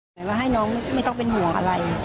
แต่ว่าให้น้องไม่ต้องเป็นห่วงอะไร